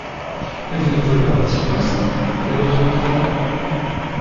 Mais vous ne pouvez pas partir comme ça ! Et votre médicament ?